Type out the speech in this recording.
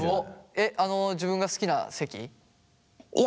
あの自分が好きな席？